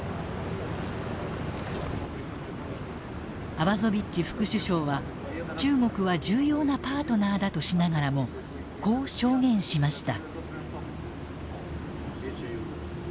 アバゾビッチ副首相は中国は重要なパートナーだとしながらもこう証言しました。